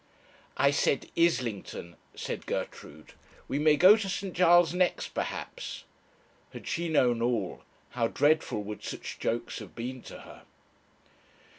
'I said Islington,' said Gertrude. 'We may go to St. Giles' next, perhaps.' Had she known all, how dreadful would such jokes have been to her!